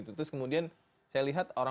terus kemudian saya lihat